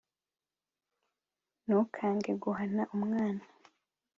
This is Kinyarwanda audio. ntukange guhana umwana